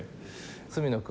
角野君